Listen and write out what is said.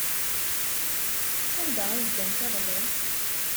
Sanda ay ddant iḍelli?